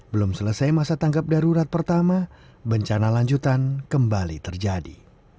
belum selesai masa tangkap darurat pertama bencana lanjutan kembali terjadi